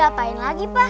terus diapain lagi pak